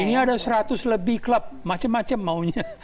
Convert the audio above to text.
ini ada seratus lebih klub macem macem maunya